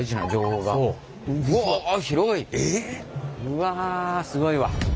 うわすごいわ。